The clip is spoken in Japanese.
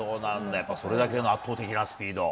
やっぱそれだけの圧倒的なスピード。